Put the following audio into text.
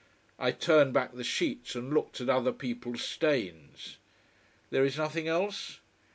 I turned back the sheets and looked at other people's stains. "There is nothing else?"